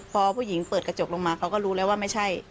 พอผู้หญิงเปิดกระจกลงมาเขาก็รู้แล้วว่าไม่ใช่